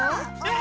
え